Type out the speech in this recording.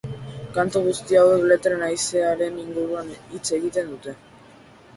Kantu guzti hauen letrek haizearen inguruan hitz egiten dute.